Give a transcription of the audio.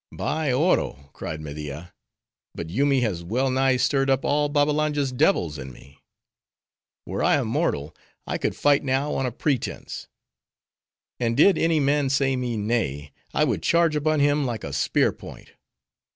"By Oro!" cried Media, "but Yoomy has well nigh stirred up all Babbalanja's devils in me. Were I a mortal, I could fight now on a pretense. And did any man say me nay, I would charge upon him like a spear point.